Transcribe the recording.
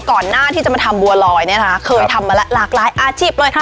ก่อนหน้าที่จะมาทำบัวลอยเนี่ยนะคะเคยทำมาแล้วหลากหลายอาชีพเลยค่ะ